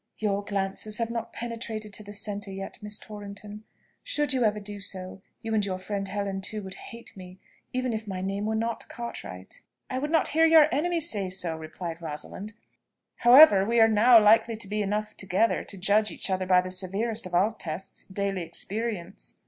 "Your glances have not penetrated to the centre yet, Miss Torrington. Should you ever do so, you, and your friend Helen too, would hate me, even if my name were not Cartwright." "I would not hear your enemy say so," replied Rosalind. "However, we are now likely to be enough together to judge each other by the severest of all tests, daily experience."